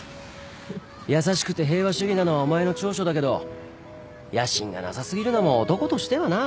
優しくて平和主義なのはお前の長所だけど野心がなさ過ぎるのも男としてはな。